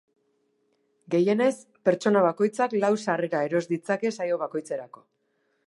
Gehienez, pertsona bakoitzak lau sarrera eros ditzake saio bakoitzerako.